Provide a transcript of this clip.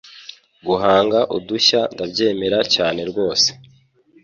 Guhanga udushya ndabyemera cyane rwose